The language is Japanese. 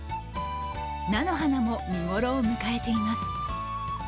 菜の花も見頃を迎えています。